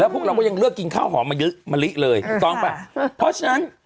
แล้วพวกเราก็ยังเลือกกินข้าวหอมมายึดมาลิกเลยต้องป่ะพอตั้ง